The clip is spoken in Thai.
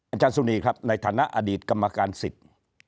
อาจารย์สุนีครับในฐานะอดีตกรรมการสิทธิ์